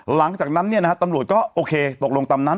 หลังจากนั้นตำรวจก็โอเคตกลงตามนั้น